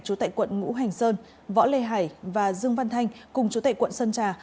chủ tệ quận ngũ hành sơn võ lê hải và dương văn thanh cùng chủ tệ quận sơn trà